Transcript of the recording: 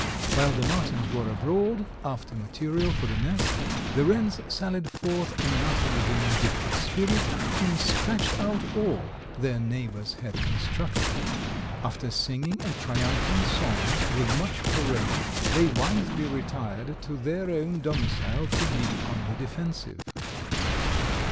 While the martins were abroad after material for the nest the wrens sallied forth in an utterly vindictive spirit and scratched out all their neighbors had constructed. After singing a triumphant song with much parade they wisely retired to their own domicile to be on the defensive.